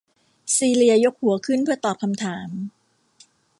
ซีเลียยกหัวขึ้นเพื่อตอบคำถาม